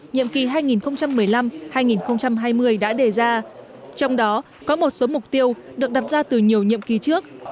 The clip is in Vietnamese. nhiệm kỳ hai nghìn một mươi năm hai nghìn hai mươi đã đề ra trong đó có một số mục tiêu được đặt ra từ nhiều nhiệm kỳ trước